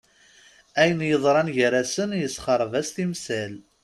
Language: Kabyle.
Ayen yeḍran gar-asen yessexreb-as timsal.